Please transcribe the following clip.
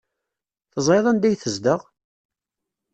Teẓriḍ anda ay tezdeɣ?